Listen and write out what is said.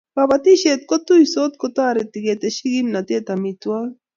Kabotishe che kituisot kotoreti koteshi kimentee amitwokik.